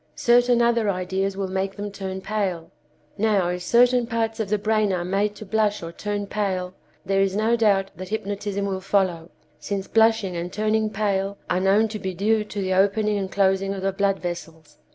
Certain other ideas will make them turn pale. Now, if certain parts of the brain are made to blush or turn pale, there is no doubt that hypnotism will follow, since blushing and turning pale are known to be due to the opening and closing of the blood vessels.